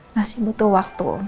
masih butuh waktu